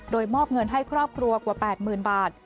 โดยมอบเงินให้ครอบครัวกว่า๘๐๐๐บาท